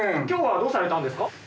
今日はどうされたんですか？